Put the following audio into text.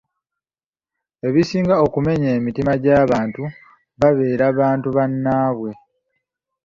Ebisinga okumenya emitima gy’abantu babeera bantu bannaabwe.